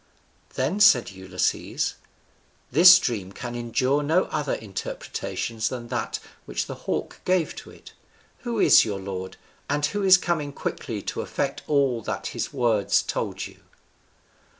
Then said Ulysses, "This dream can endure no other interpretation than that which the hawk gave to it, who is your lord, and who is coming quickly to effect all that his words told you."